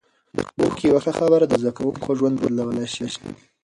د ښوونکي یوه ښه خبره د زده کوونکي ژوند بدلولای شي.